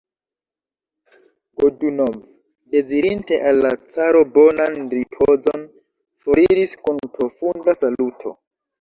Godunov, dezirinte al la caro bonan ripozon, foriris kun profunda saluto.